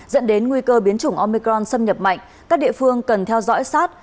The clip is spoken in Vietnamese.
dẫn đến nguy cơ biến chủng omicron xâm nhập mạnh các địa phương cần theo dõi sát